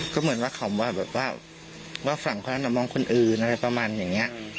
ก็เหมือนว่าเขามาแบบว่าว่าฝั่งคนนั้นมองคนอื่นอะไรประมาณอย่างนี้